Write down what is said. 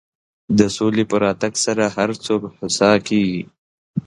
د سولې په راتګ سره هر څوک هوسا کېږي.